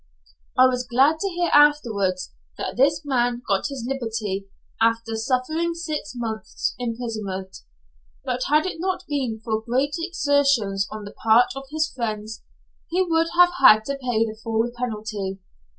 I was glad to hear afterwards that this man got his liberty after suffering six months' imprisonment. But had it not been for great exertions on the part of his friends, he would have had to pay the full penalty.